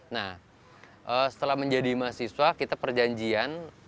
nah setelah menjadi mahasiswa kita perjanjian